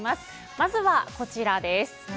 まずはこちらです。